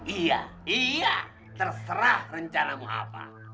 iya iya terserah rencanamu apa